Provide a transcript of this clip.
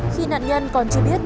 khi nạn nhân còn chưa biết